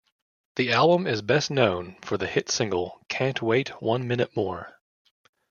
The album is best known for the hit single "Can't Wait One Minute More".